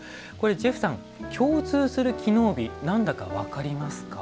ジェフさん、共通する機能美なんだか分かりますか？